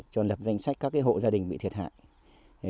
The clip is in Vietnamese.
cho lập danh sách các hộ gia đình bị thiệt hại